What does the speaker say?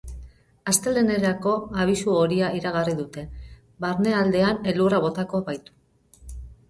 Astelehenerako abisu horia iragarri dute, barnealdean elurra botako baitu.